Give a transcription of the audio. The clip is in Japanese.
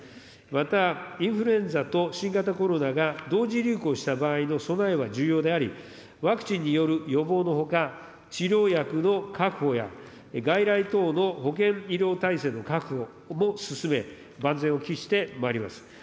また、インフルエンザと新型コロナが同時流行した場合の備えは重要であり、ワクチンによる予防のほか、治療薬の確保や、外来等の保健医療体制の確保も進め、万全を期してまいります。